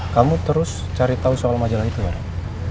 kamu terus cari tahu soal majalah itu barang